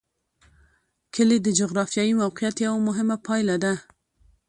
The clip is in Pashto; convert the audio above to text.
کلي د جغرافیایي موقیعت یوه مهمه پایله ده.